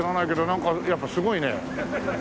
なんかやっぱすごいね。